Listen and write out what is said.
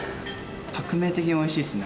革命的においしいですね。